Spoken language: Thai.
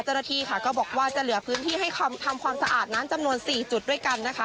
เจ้าหน้าที่ค่ะก็บอกว่าจะเหลือพื้นที่ให้ทำความสะอาดนั้นจำนวน๔จุดด้วยกันนะคะ